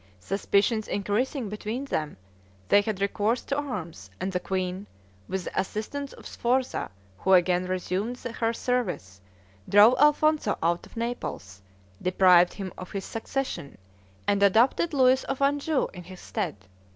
Suspicions increasing between them, they had recourse to arms, and the queen, with the assistance of Sforza, who again resumed her service, drove Alfonzo out of Naples, deprived him of his succession, and adopted Louis of Anjou in his stead.